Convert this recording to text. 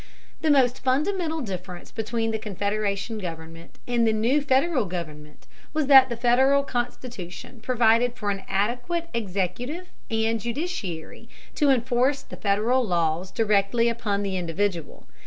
The most fundamental difference between the Confederation government and the new Federal government was that the Federal Constitution provided for an adequate executive and judiciary to enforce the Federal laws directly upon the individual.